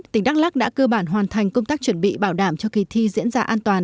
tỉnh đắk lắc đã cơ bản hoàn thành công tác chuẩn bị bảo đảm cho kỳ thi diễn ra an toàn